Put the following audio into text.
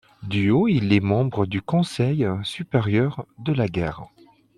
Du au il est membre du Conseil supérieur de la guerre.